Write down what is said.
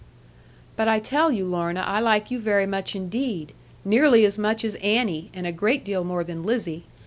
'But I tell you, Lorna, I like you very much indeed nearly as much as Annie, and a great deal more than Lizzie.